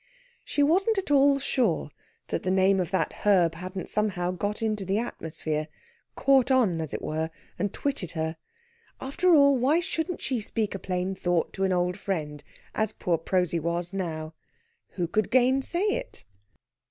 She wasn't at all sure that the name of that herb hadn't somehow got into the atmosphere caught on, as it were, and twitted her. After all, why shouldn't she speak a plain thought to an old friend, as poor Prosy was now? Who could gainsay it?